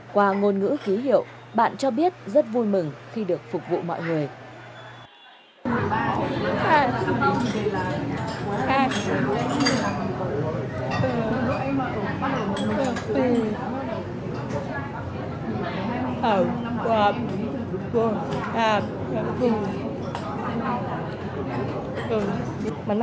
qua ngôn ngữ ký hiệu bạn cho biết rất vui mừng khi được phục vụ mọi người